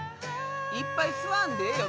いっぱい吸わんでええよ